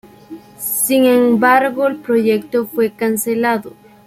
Sin embargo, el proyecto fue cancelado.